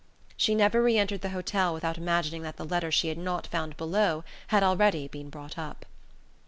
She never re entered the hotel without imagining that the letter she had not found below had already been brought up.